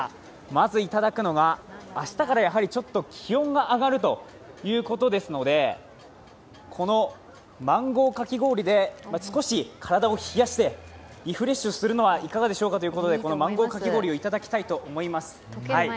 まず頂くのは明日からやはりちょっと気温が上がるということですのでマンゴーかき氷で少し体を冷やして、リフレッシュするのはいかがでしょうかということでこのマンゴーかき氷をいただきたいと思います。